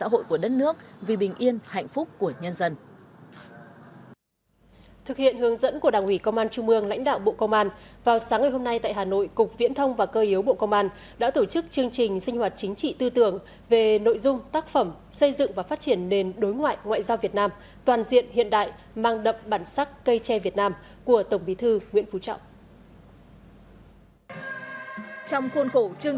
thực hiện hướng dẫn của đảng ủy công an trung ương lãnh đạo bộ công an vào sáng ngày hôm nay tại hà nội cục viễn thông và cơ yếu bộ công an đã tổ chức chương trình sinh hoạt chính trị tư tưởng về nội dung tác phẩm xây dựng và phát triển nền đối ngoại ngoại giao việt nam toàn diện hiện đại mang đậm bản sắc cây tre việt nam của tổng bí thư nguyễn phú trọng